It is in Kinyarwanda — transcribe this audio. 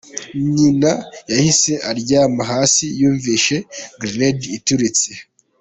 Nyina yahise aryama hasi yumvise grenade ituritse.